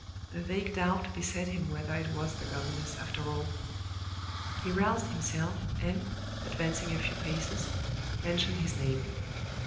A vague doubt beset him whether it was the governess, after all. He roused himself, and, advancing a few paces, mentioned his name.